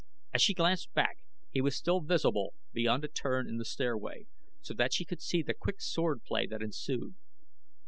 As she glanced back he was still visible beyond a turn in the stairway, so that she could see the quick swordplay that ensued.